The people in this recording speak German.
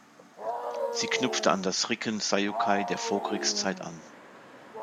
Sie knüpfte an das Rikken Seiyūkai der Vorkriegszeit an.